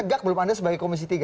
tegak belum anda sebagai komisi tiga